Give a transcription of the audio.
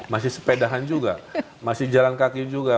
masih sepedahan juga masih jalan kaki juga